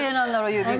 指が。